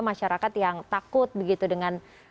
masyarakat yang takut begitu dengan